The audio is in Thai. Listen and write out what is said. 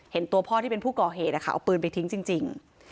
ตัวพ่อที่เป็นผู้ก่อเหตุเอาปืนไปทิ้งจริง